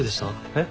えっ？